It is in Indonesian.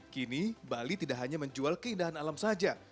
kini bali tidak hanya menjual keindahan alam saja